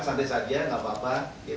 santai saja nggak apa apa